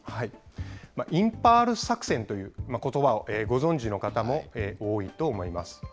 インパール作戦ということばをご存じの方も多いと思います。